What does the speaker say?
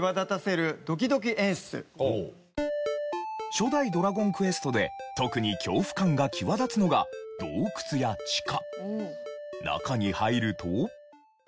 初代『ドラゴンクエスト』で特に恐怖感が際立つのが洞窟や地下。